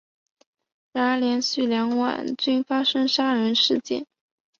然而连续两晚均发生杀人事件。